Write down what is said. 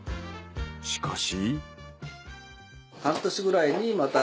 しかし。